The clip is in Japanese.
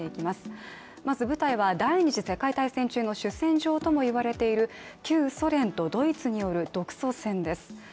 まず、舞台は第二次世界大戦の主戦場ともいわれている旧ソ連とドイツによる独ソ戦です。